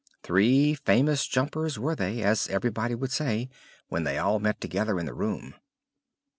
Three famous jumpers were they, as everyone would say, when they all met together in the room.